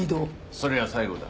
それは最後だ。